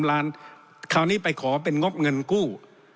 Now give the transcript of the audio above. คราวนี้ไปขอเป็นงบเงินกู้